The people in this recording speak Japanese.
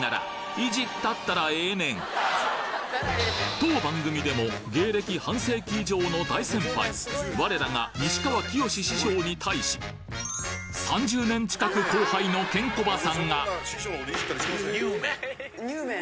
当番組でも芸歴半世紀以上の大先輩我らが西川きよし師匠に対し３０年近く後輩のケンコバさんがにゅうめん？